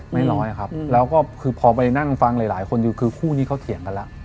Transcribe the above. น้อยครับแล้วก็คือพอไปนั่งฟังหลายคนอยู่คือคู่นี้เขาเถียงกันแล้ว